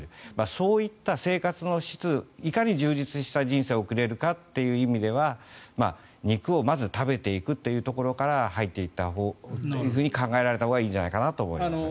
そういった生活の質いかに充実した人生を送れるかという意味では肉をまず食べていくというところから入っていったほうがと考えられたほうがいいと思います。